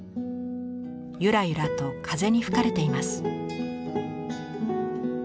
ゆらゆらと風に吹かれています。